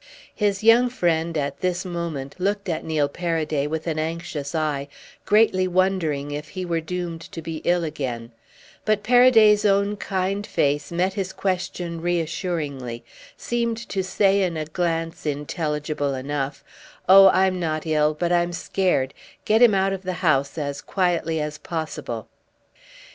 His young friend, at this moment, looked at Neil Paraday with an anxious eye, greatly wondering if he were doomed to be ill again; but Paraday's own kind face met his question reassuringly, seemed to say in a glance intelligible enough: "Oh I'm not ill, but I'm scared: get him out of the house as quietly as possible."